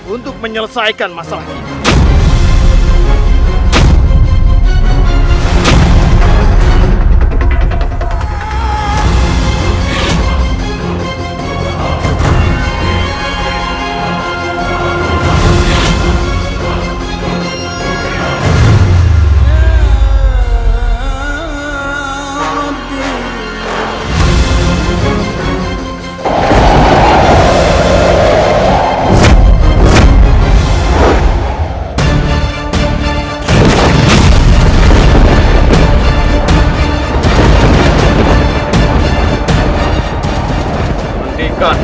untuk menyelesaikan masalah kita